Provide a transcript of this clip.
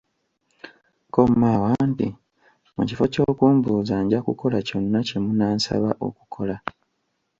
Kko Maawa nti mu kifo ky’okumbuuza njakukola kyonna kyemunansaba okukola.